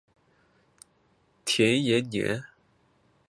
田延年。